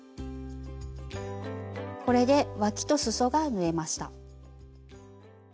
これでわきとすそが縫えました。